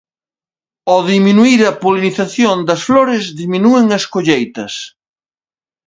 Ao diminuír a polinización das flores, diminúen as colleitas.